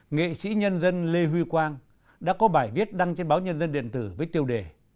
nghệ sĩ nhân dân lê huy quang đã có bài viết đăng trên báo nhân dân điện tử với tiêu đề